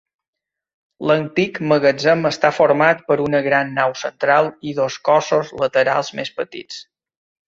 L'antic magatzem està format per una gran nau central i dos cossos laterals més petits.